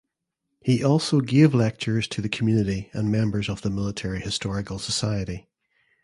He also gave lectures to the community and members of the Military Historical Society.